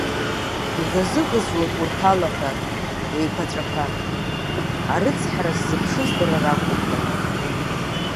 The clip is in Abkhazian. Иӷызыӷызуан урҭ алаҳәа еиқәаҵәақәа, арыцҳара ззыԥшыз дара ракәушәа.